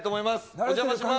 お邪魔します。